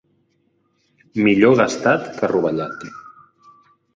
Millor gastat que rovellat.